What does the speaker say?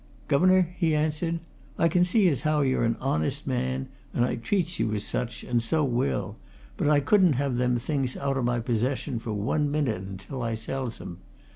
"Guv'nor," he answered, "I can see as how you're a honest man, and I treats you as such, and so will, but I couldn't have them things out o' my possession for one minute until I sells 'em.